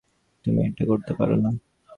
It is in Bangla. তুমি এটা করতে পারো না।